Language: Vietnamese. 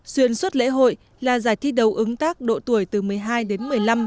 xuyên suốt lễ hội là giải thi đấu ứng tác độ tuổi từ một mươi hai đến một mươi năm